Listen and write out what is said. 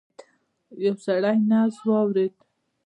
يو سړی نبض واورېد.